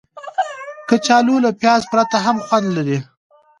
کچالو له پیاز پرته هم خوند لري